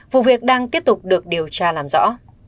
vụ việc đang tiếp tục được điều tra làm rõ